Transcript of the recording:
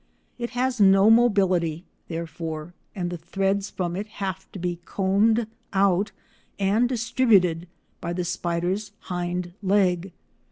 It has no mobility, therefore, and the threads from it have to be combed out and distributed by the spider's hind leg.